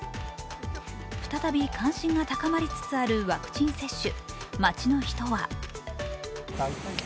再び関心が高まりつつあるワクチン接種。